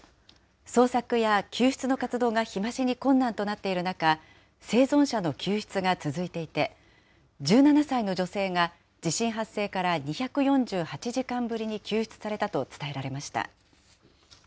捜索や救出の活動が日増しに困難となっている中、生存者の救出が続いていて、１７歳の女性が地震発生から２４８時間ぶりに救出されたと伝えら